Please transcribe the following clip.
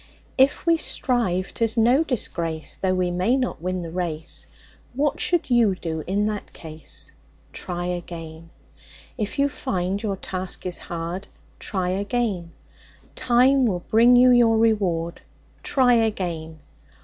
If we strive, 'tis no disgrace Though we may not win the race; What should you do in that case? Try again. If you find your task is hard, Try again; Time will bring you your reward, Try again.